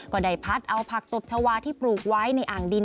ก็ได้พัดเอาผักตบชาวาที่ปลูกไว้ในอ่างดิน